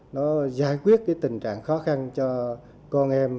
nó giải quyết cái tình trạng khó khăn cho con em